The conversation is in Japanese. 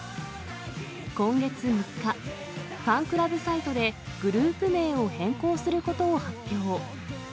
今月３日、ファンクラブサイトで、グループ名を変更することを発表。